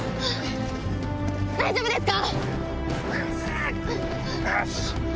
大丈夫ですか？